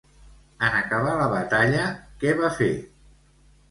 En acabar la batalla, què va fer?